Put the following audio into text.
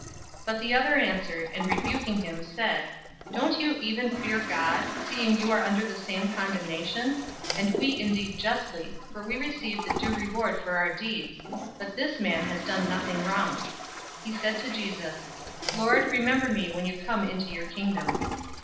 023:040 But the other answered, and rebuking him said, "Don't you even fear God, seeing you are under the same condemnation? 023:041 And we indeed justly, for we receive the due reward for our deeds, but this man has done nothing wrong." 023:042 He said to Jesus, "Lord, remember me when you come into your Kingdom."